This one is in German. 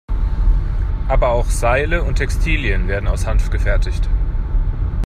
Aber auch Seile und Textilien werden aus Hanf gefertigt.